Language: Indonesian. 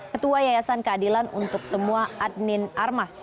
ketua yayasan keadilan untuk semua admin armas